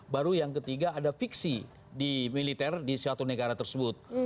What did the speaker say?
baru yang ketiga ada fiksi di militer di suatu negara tersebut